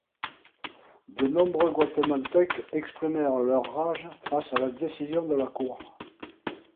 De nombreux Guatémaltèques exprimèrent leur rage face à la décision de la cour.